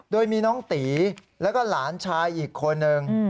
โดยมีน้องตีแล้วก็หลานชายอีกคนนึง